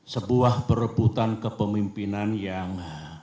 sebuah perebutan kepemimpinan yang